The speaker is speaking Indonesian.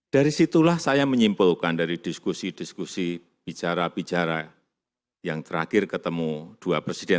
dari situlah saya menyimpulkan dari diskusi diskusi bicara bicara yang terakhir ketemu dua presiden